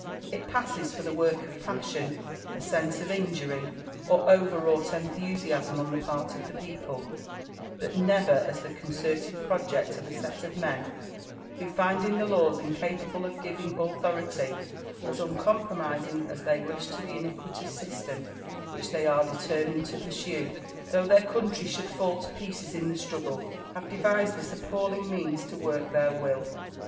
It passes for the >»ork of passion — a sense of injury— or overwrought enthusiasm on the part of the people; but never as the concerted project of a set of men, who, finding the laws incapable of giving authority as uncompromising as they wish to the iniquitous system which they are determined lo pursue, Ihough their country shjuld fall lo pieces in the struggle, have devised this appalling means to work their will.